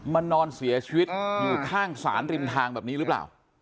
นอนเสียชีวิตอยู่ข้างศาลริมทางแบบนี้หรือเปล่า